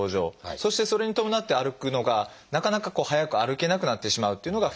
そしてそれに伴って歩くのがなかなか速く歩けなくなってしまうというのが２つ目の症状。